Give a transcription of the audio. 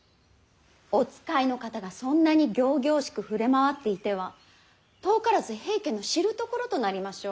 お使いの方がそんなに仰々しく触れ回っていては遠からず平家の知るところとなりましょう。